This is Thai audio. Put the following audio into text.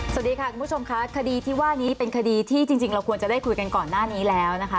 สวัสดีค่ะคุณผู้ชมค่ะคดีที่ว่านี้เป็นคดีที่จริงเราควรจะได้คุยกันก่อนหน้านี้แล้วนะคะ